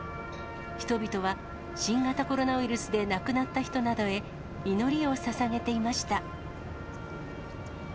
人々は、新型コロナウイルスで亡くなった人などへ、祈りをささげていました。